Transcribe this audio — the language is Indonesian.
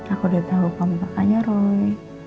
aku udah tau kamu pakanya roy